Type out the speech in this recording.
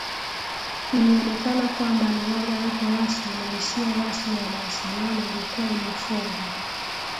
Ilionekana kwamba milango yote rasmi na isiyo rasmi ya mawasiliano ilikuwa imefungwa